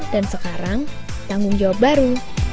sekarang tanggung jawab baru